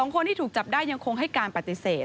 คนที่ถูกจับได้ยังคงให้การปฏิเสธ